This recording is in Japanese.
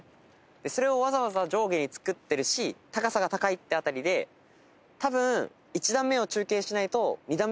それをわざわざ上下に造ってるし高さが高いってあたりでたぶん１段目を中継しないと２段目が建てられなかった。